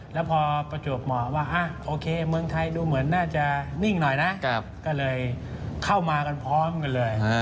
แล้วพอประจวบเหมาะว่าโอเคเมืองไทยดูเหมือนน่าจะนิ่งหน่อยนะก็เลยเข้ามากันพร้อมกันเลย